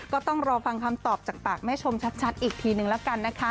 ก็ต้องรอฟังคำตอบจากปากแม่ชมชัดอีกทีนึงแล้วกันนะคะ